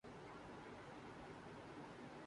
کنبہ کے ساتھ شمالی علاقوں کا سفر کرتے ہیں